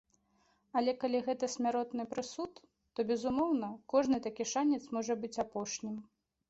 Але калі гэта смяротны прысуд, то, безумоўна, кожны такі шанец можа быць апошнім.